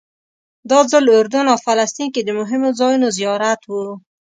دا ځل اردن او فلسطین کې د مهمو ځایونو زیارت و.